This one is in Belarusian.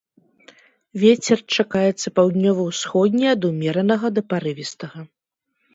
Вецер чакаецца паўднёва-ўсходні ад умеранага да парывістага.